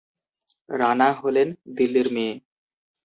রানা হলেন দিল্লির মেয়ে।